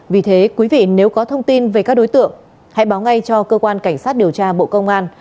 vì thế quý vị nếu có thông tin về các đối tượng hãy báo ngay cho cơ quan cảnh sát điều tra bộ công an